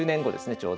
ちょうど。